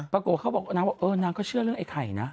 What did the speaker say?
ปรากฏเขาบอกนางก็เชื่อเรื่องไอ้ไข่นะ